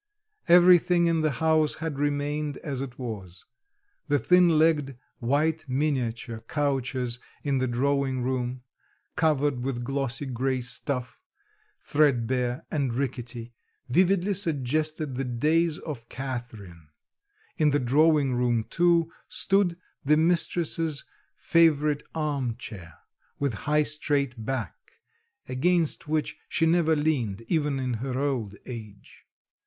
Everything in the house had remained as it was; the thin legged white miniature couches in the drawing room, covered with glossy grey stuff, threadbare and rickety, vividly suggested the days of Catherine; in the drawing room, too, stood the mistress's favourite arm chair, with high straight back, against which she never leaned even in her old age.